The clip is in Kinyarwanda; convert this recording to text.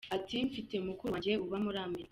Ati “Mfite mukuru wanjye uba muri Amerika.